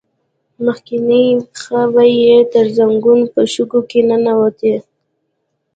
مخکينۍ پښې به يې تر زنګنو په شګو کې ننوتې.